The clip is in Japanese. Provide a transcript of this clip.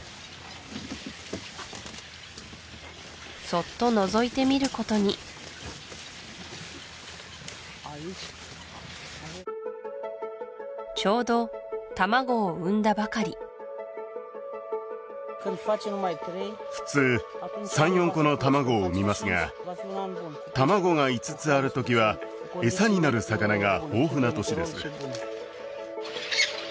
そっとのぞいてみることにちょうど卵を産んだばかり普通３４個の卵を産みますが卵が５つある時は餌になる魚が豊富な年です